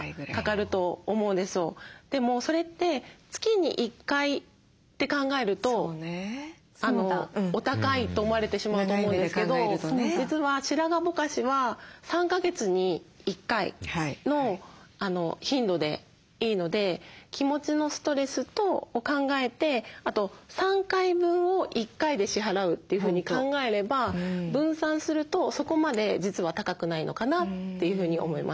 でもそれって月に１回って考えるとお高いと思われてしまうと思うんですけど実は白髪ぼかしは３か月に１回の頻度でいいので気持ちのストレスを考えてあと３回分を１回で支払うというふうに考えれば分散するとそこまで実は高くないのかなというふうに思います。